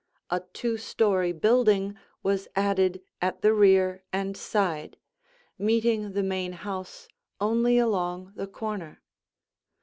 A two story building was added at the rear and side, meeting the main house only along the corner.